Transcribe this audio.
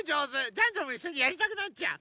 ジャンジャンもいっしょにやりたくなっちゃう。